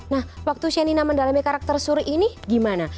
nah waktu shenina mendalami karakter suri ini gimana